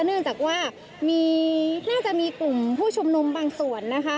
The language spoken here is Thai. เนื่องจากว่าน่าจะมีกลุ่มผู้ชุมนุมบางส่วนนะคะ